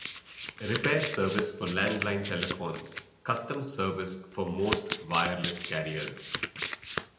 Repair service for land-line telephones; customer service for most wireless carriers.